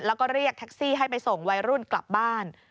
แล้วก็เรียกแท็กซี่ให้ไปส่งวัยรุ่นกลับบ้าน